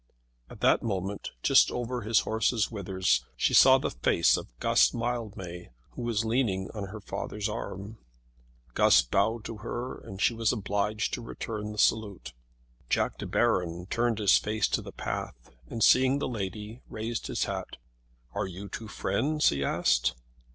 At that moment, just over his horse's withers, she saw the face of Guss Mildmay who was leaning on her father's arm. Guss bowed to her, and she was obliged to return the salute. Jack De Baron turned his face to the path and seeing the lady raised his hat. "Are you two friends?" he asked.